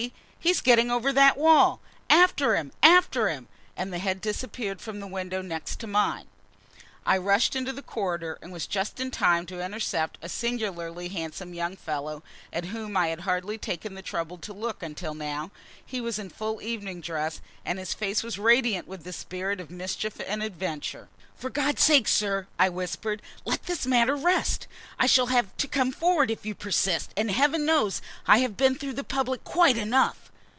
He's getting over that wall. After him after him!" And the head disappeared from the window next mine. I rushed into the corridor, and was just in time to intercept a singularly handsome young fellow, at whom I had hardly taken the trouble to look until now. He was in full evening dress, and his face was radiant with the spirit of mischief and adventure. "For God's sake, sir," I whispered, "let this matter rest. I shall have to come forward if you persist, and Heaven knows I have been before the public quite enough!"